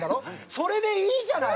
それでいいじゃない！